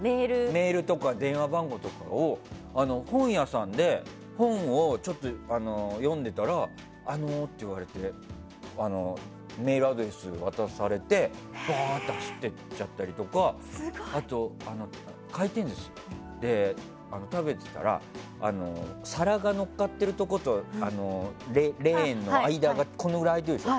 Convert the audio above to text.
メールとか電話番号とか本屋さんで、本を読んでたらあのって言われてメールアドレスを渡されてバーッて走っていっちゃったりあとは回転寿司で食べてたら、皿がのっかっているところとレーンの間がこのぐらい空いてるでしょ。